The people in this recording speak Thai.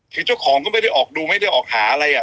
คือเจ้าของก็ไม่ได้ออกดูไม่ได้ออกหาอะไรอ่ะ